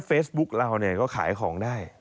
แค่เฟสบุ๊คเราก็ขายของได้